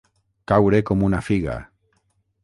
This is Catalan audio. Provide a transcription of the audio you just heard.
Caure com una figa.